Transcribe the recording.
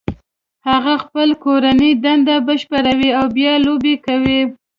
هغه خپل کورنۍ دنده بشپړوي او بیا لوبې کوي